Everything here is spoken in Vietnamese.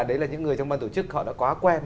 đấy là những người trong ban tổ chức họ đã quá quen